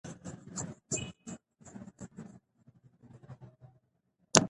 د هغې ږغ به ويني په جوش راوړي وي.